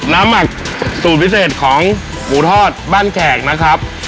หมักสูตรพิเศษของหมูทอดบ้านแขกนะครับ